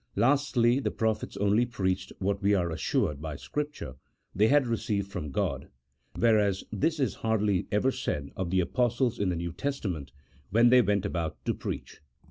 Lastly, the prophets only preached what we are assured by Scripture they had received from God, whereas this is hardly ever said of the Apostles in the New Testament, when they went about to preach.